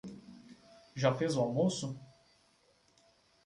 Já fez o almoço?